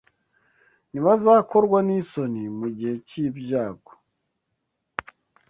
Ntibazakorwa n’isoni mu gihe cy’ibyago